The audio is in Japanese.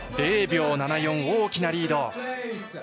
０秒７４と大きなリード。